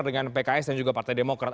dengan pks dan juga partai demokrat